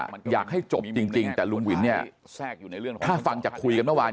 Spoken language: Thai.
มันยังไม่เข้าขายักยอกทรัพย์